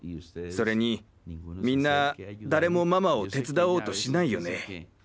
それにみんな誰もママを手伝おうとしないよね。